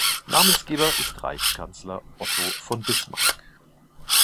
Namensgeber ist Reichskanzler Otto von Bismarck.